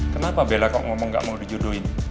kenapa bella kok ngomong gak mau dijodohin